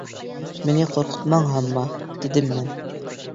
— مېنى قورقۇتماڭ، ھامما. — دېدىم مەن.